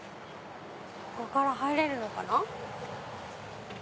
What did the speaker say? ここから入れるのかな。